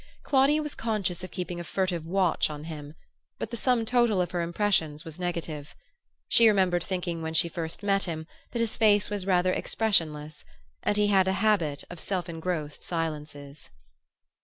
Claudia was conscious of keeping a furtive watch on him; but the sum total of her impressions was negative. She remembered thinking when she first met him that his face was rather expressionless; and he had the habit of self engrossed silences.